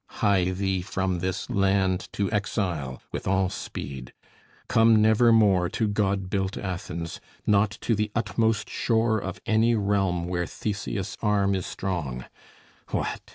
Hie thee from this land To exile with all speed. Come never more To god built Athens, not to the utmost shore Of any realm where Theseus' arm is strong! What?